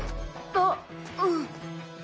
あっうん。